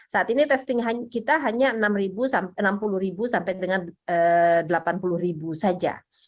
saat ini testing kita hanya enam puluh sampai dengan delapan puluh saja